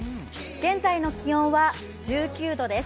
現在の気温は１９度です。